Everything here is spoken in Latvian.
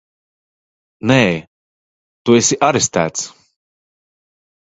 Nē! Tu esi arestēts!